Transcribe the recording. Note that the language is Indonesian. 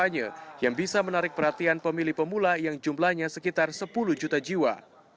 kampanye yang bisa menarik perhatian pemilih pemula yang jumlahnya sekitar sepuluh juta jiwa